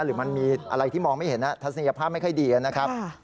หรือมันมีอะไรที่มองไม่เห็นทัศนียภาพไม่ค่อยดีนะครับ